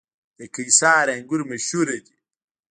د قیصار انګور مشهور دي